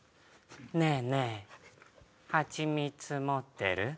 ねえねえハチミツ持ってる？